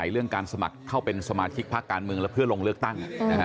เรื่องการสมัครเข้าเป็นสมาชิกพักการเมืองและเพื่อลงเลือกตั้ง